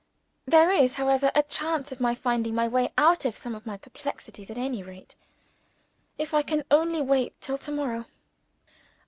There is, however, a chance of my finding my way out of some of my perplexities, at any rate if I can only wait till tomorrow.